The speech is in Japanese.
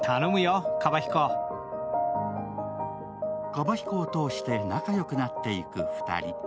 カバヒコを通して仲よくなっていく２人。